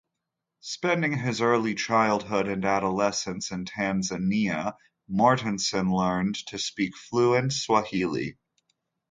Spending his early childhood and adolescence in Tanzania, Mortenson learned to speak fluent Swahili.